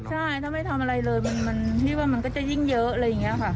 ใช่ถ้าไม่ทำอะไรเลยมันก็จะยิ่งเยอะ